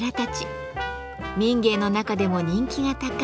民藝の中でも人気が高い